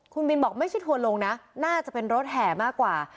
คุณบินบอกไม่ใช่ทัวร์ลงนะน่าจะเป็นรถแห่มากกว่า